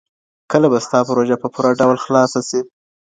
کله به ستا پروژه په پوره ډول خلاصه سي؟